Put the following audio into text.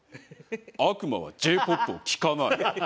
悪魔はＪ−ＰＯＰを聴かない。